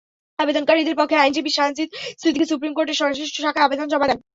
আবেদনকারীদের পক্ষে আইনজীবী সানজিদ সিদ্দিকী সুপ্রিম কোর্টের সংশ্লিষ্ট শাখায় আবেদন জমা দেন।